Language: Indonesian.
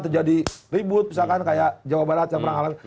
terjadi ribut misalkan kayak jawa barat samparang alam